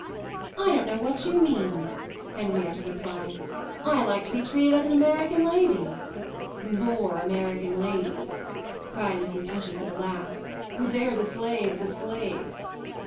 '" "I don't know what you mean," Henrietta replied. "I like to be treated as an American lady." "Poor American ladies!" cried Mrs. Touchett with a laugh. "They're the slaves of slaves."